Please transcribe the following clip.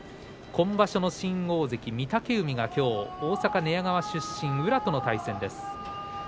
今場所の新大関御嶽海がきょう大阪・寝屋川市出身の宇良との対戦です。